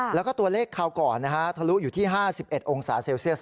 แล้วก็ตัวเลขคราวก่อนทะลุอยู่ที่๕๑องศาเซลเซียส